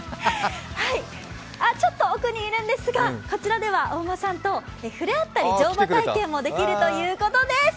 あっ、ちょっと奥にいるんですがこちらではお馬さんと触れ合ったり乗馬体験もできるということです。